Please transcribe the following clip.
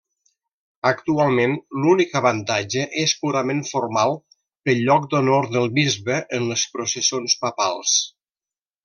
Actualment, l'únic avantatge és purament formal, pel lloc d'honor del bisbe en les processons papals.